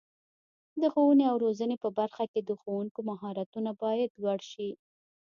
د ښوونې او روزنې په برخه کې د ښوونکو مهارتونه باید لوړ شي.